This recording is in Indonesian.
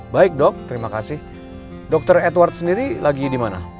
baik dok terima kasih dokter edward sendiri lagi di mana